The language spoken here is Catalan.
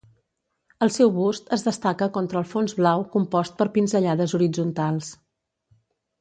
El seu bust es destaca contra el fons blau compost per pinzellades horitzontals.